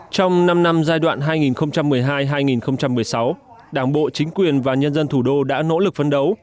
trong năm năm giai đoạn hai nghìn một mươi hai hai nghìn một mươi sáu đảng bộ chính quyền và nhân dân thủ đô đã nỗ lực phấn đấu